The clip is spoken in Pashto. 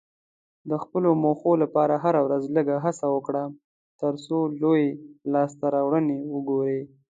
د خپلو موخو لپاره هره ورځ لږه هڅه وکړه، ترڅو لویې لاسته راوړنې وګورې.